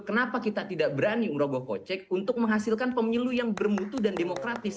kenapa kita tidak berani merogoh kocek untuk menghasilkan pemilu yang bermutu dan demokratis